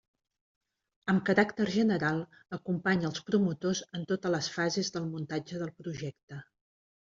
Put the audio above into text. Amb caràcter general acompanya els promotors en totes les fases del muntatge del projecte.